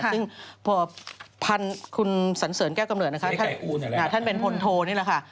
ซึ่งพอคุณสันเสริญแก้วกำเนิดนะคะท่านเป็นพลโทนี่แหละค่ะ